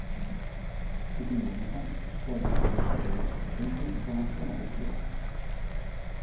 Artikulu honetan eskualdeka agertuko dira tenplu erromaniko nagusiak.